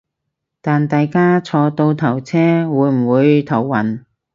但大家坐倒頭車會唔會頭暈